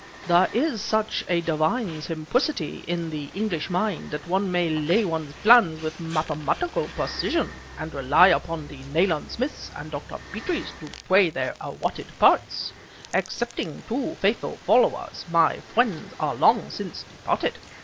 "There is such a divine simplicity in the English mind that one may lay one's plans with mathematical precision, and rely upon the Nayland Smiths and Dr. Petries to play their allotted parts. Excepting two faithful followers, my friends are long since departed.